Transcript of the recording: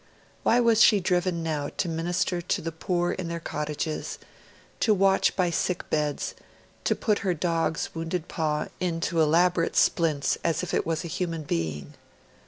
Why was she driven now to minister to the poor in their cottages, to watch by sick beds, to put her dog's wounded paw into elaborate splints as if it was a human being?